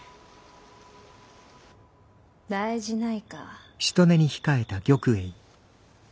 大事ないか？